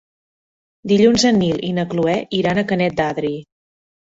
Dilluns en Nil i na Cloè iran a Canet d'Adri.